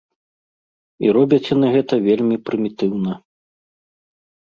І робяць яны гэта вельмі прымітыўна.